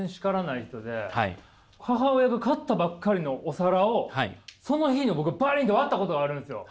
母親が買ったばっかりのお皿をその日に僕バリンって割ったことあるんですよ。